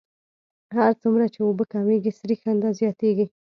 هر څومره چې اوبه کمیږي سریښېدنه زیاتیږي